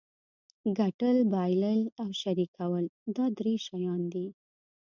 ګټل بایلل او شریکول دا درې شیان دي.